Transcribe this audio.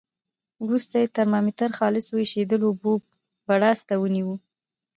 وروسته یې ترمامتر خالصو ایشېدلو اوبو بړاس ته ونیو.